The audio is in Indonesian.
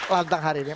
lantang hari ini